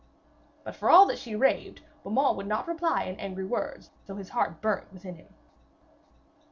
But for all that she raved, Beaumains would not reply in angry words, though his heart burned within him.